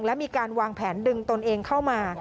และมีการวางแผนดึงตนเองเข้ามา